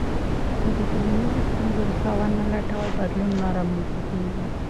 که د ټولنیزو ستونزو ریښه ونه لټوې، بدلون نه رامنځته کېږي.